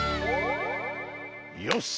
よし。